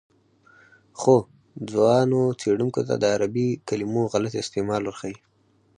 خو ځوانو څېړونکو ته د عربي کلمو غلط استعمال ورښيي.